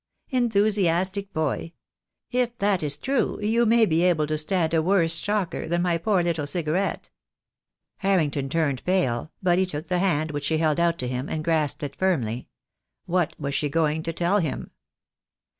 "Enthusiatic boy! If that is true you may be able to stand a worse shocker than my poor little cigarette." Harrington turned pale, but he took the hand which she held out to him, and grasped it firmly. What was she going to tell him?